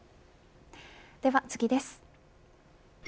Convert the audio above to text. では次です。